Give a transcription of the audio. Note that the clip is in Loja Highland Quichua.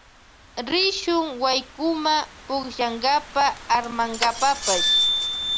Rishun waykuma pukllankapa armankapapash.